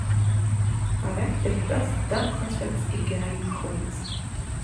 Арахь дахьтәаз дамхацәарц егьааигхомызт.